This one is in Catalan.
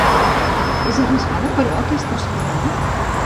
És arriscada, però, aquesta espiral?